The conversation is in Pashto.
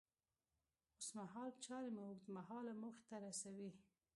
اوسمهال چارې مو اوږد مهاله موخې ته رسوي.